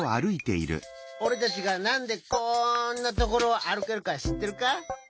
おれたちがなんでこんなところをあるけるかしってるか？